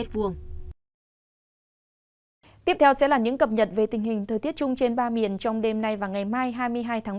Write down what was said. tiếp theo sẽ là những cập nhật về tình hình thời tiết chung trên ba miền trong đêm nay và ngày mai hai mươi hai tháng một mươi